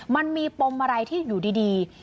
มันมีปมอะไรที่อยู่ดี